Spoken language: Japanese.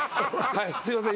はいすいません